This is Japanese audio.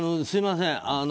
すみません